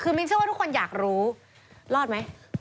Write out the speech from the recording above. คือมินเชื่อว่าทุกคนอยากรู้รอดไหม